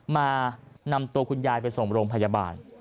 มานำตัวคุณยายไปส่งโรงพยาบาล